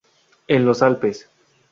En los Alpes.